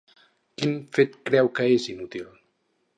Quin fet creu que és inútil?